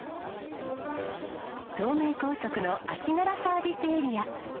東名高速の足柄サービスエリア。